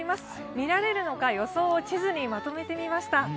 見られるのが予想地図にまとめてみました。